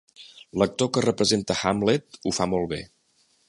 L'actor que representa Hamlet ho fa molt bé.